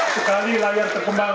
sekali layar terkembang